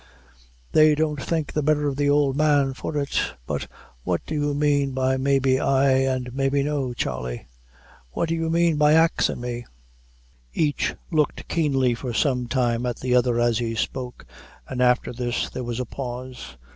They don't think the betther of the ould man for it; but what do you mane by 'maybe ay, an' maybe no,' Charley?" "What do you mane by axin' me?" Each looked keenly for some time at the other as he spoke, and after this there was a pause.